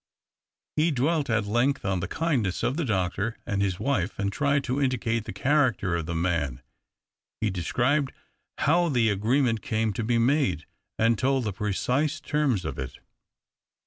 He dwelt at length on the kindness of the doctor and his wife, and tried to indicate the character of the man. He described how the agreement came to be made, and told the precise terms of it.